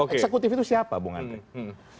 eksekutif itu siapa bung andre